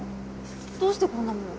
どうしてこんなもの。